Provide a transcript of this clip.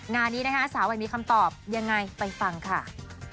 งานนี้นะคะสาวใหม่มีคำตอบยังไงไปฟังค่ะ